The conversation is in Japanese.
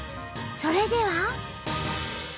それでは。